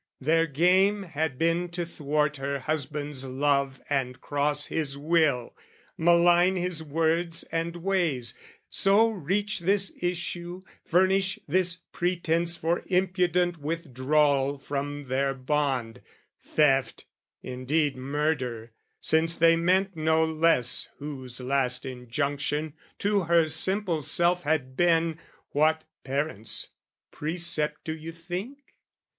Their game had been to thwart her husband's love And cross his will, malign his words and ways, So reach this issue, furnish this pretence For impudent withdrawal from their bond, Theft, indeed murder, since they meant no less Whose last injunction to her simple self Had been what parents' precept do you think?